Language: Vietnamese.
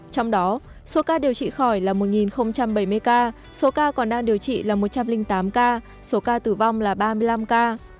trong đó số ca điều trị khỏi là một bảy mươi ca số ca còn đang điều trị là một trăm linh tám ca số ca tử vong là ba mươi năm ca